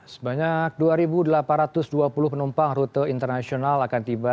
sebanyak dua delapan ratus dua puluh penumpang rute internasional akan tiba